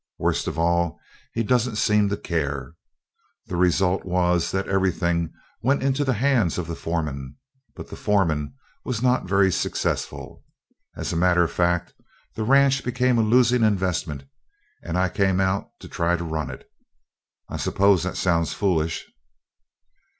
Worst of all, he doesn't seem to care. The result was that everything went into the hands of the foreman, but the foreman was not very successful. As a matter of fact the ranch became a losing investment and I came out to try to run it. I suppose that sounds foolish?"